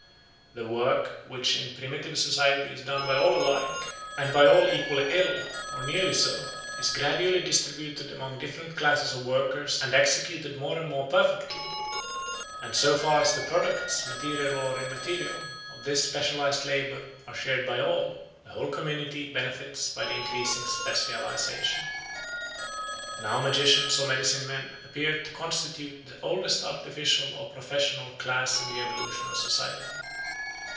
The work which in primitive society is done by all alike and by all equally ill, or nearly so, is gradually distributed among different classes of workers and executed more and more perfectly; and so far as the products, material or immaterial, of this specialised labour are shared by all, the whole community benefits by the increasing specialisation. Now magicians or medicine men appear to constitute the oldest artificial or professional class in the evolution of society.